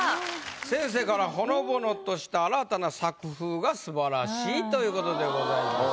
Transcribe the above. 先生から「ほのぼのとした新たな作風が素晴らしい」ということでございました。